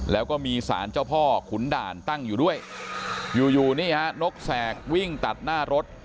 แล้วก็มีสารเจ้าพ่อขุนด่านตั้งอยู่ด้วยอยู่อยู่นี่ฮะนกแสกวิ่งตัดหน้ารถ